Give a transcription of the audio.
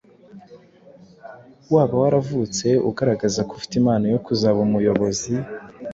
Waba waravutse ugaragaza ko ufite impano yo kuzaba umuyobozi